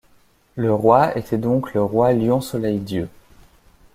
Le roi était donc le roi-lion-soleil-dieu.